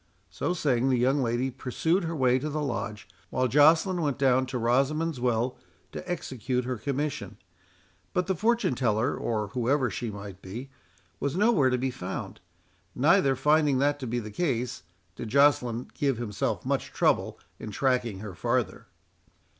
So saying, the young lady pursued her way to the Lodge, while Joceline went down to Rosamond's Well to execute her commission. But the fortune teller, or whoever she might be, was nowhere to be found; neither, finding that to be the case, did Joceline give himself much trouble in tracking her farther.